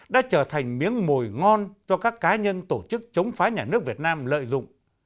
đã trở thành miếng mồi ngon cho các cá nhân tổ chức chống phá nhà nước việt nam lợi dụng